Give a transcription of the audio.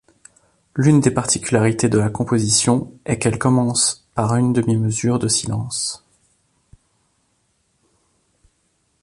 L'une des particularités de la composition est qu'elle commence par une demi-mesure de silence.